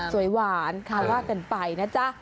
สวยหวานค่ะว่ากันไปนะจ๊ะ